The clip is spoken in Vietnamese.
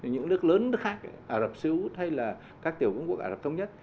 những nước lớn nước khác ả rập xê út hay là các tiểu quân quốc ả rập thống nhất